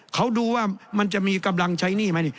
เขาดูว่ามันจะมีกำลังใช้หนี้ไหมนี่